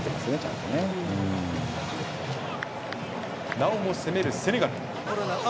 なおも攻めるセネガル。